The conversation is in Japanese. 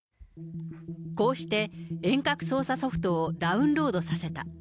こうして、遠隔操作ソフトをダウンロードさせた。